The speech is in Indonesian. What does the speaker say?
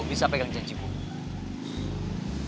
gue bisa pegang janji gue